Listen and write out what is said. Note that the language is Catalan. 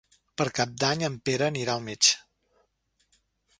Per Cap d'Any en Pere anirà al metge.